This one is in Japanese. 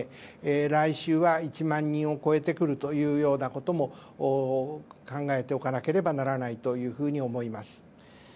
来週は１万人を超えてくるようなことも考えておかなければならないと思います。